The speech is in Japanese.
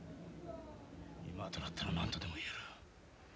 今となったら何とでも言える。